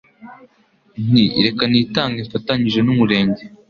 nti reka nitange mfatanyije n'umurenge